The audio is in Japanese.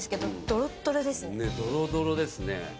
ドロドロですね